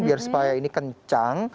biar supaya ini kencang